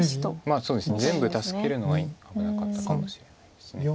そうですね全部助けるのは危なかったかもしれないです。